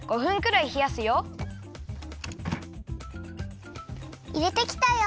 いれてきたよ。